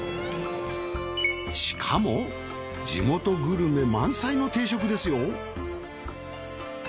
しかも地元グルメ満載の定食ですよ。